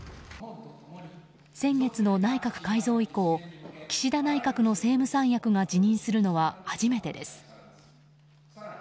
先月の内閣改造以降岸田内閣の政務三役が辞任するのは初めてです。